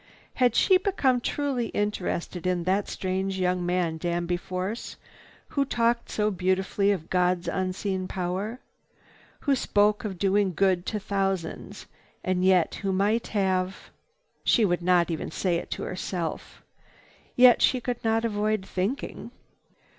Had she become truly interested in that strange young man, Danby Force, who talked so beautifully of God's unseen power, who spoke of doing good to thousands, and yet who might have—. She would not say it even to herself, yet she could not avoid thinking.